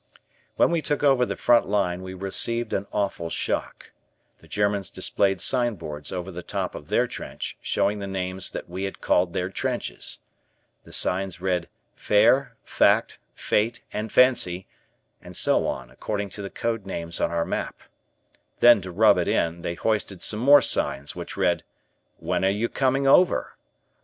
When we took over the front line we received an awful shock. The Germans displayed signboards over the top of their trench showing the names that we had called their trenches. The signs read "Fair," "Fact," "Fate," and "Fancy" and so on, according to the code names on our map. Then to rub it in, they hoisted some more signs which read, "When are you coming over?"